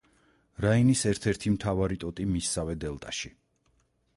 რაინის ერთ-ერთი მთავარი ტოტი მისსავე დელტაში.